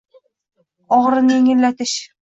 Ogʻirini yengillatish